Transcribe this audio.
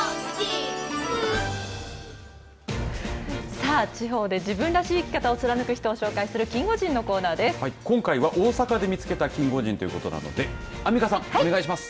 さあ地方で自分らしい生き方を貫く人を紹介する今回は大阪で見つけたキンゴジンということなのでアンミカさん、お願いします。